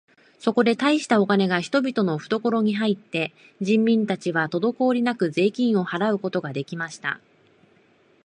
そこで大したお金が人々のふところに入って、人民たちはとどこおりなく税金を払うことが出来ました。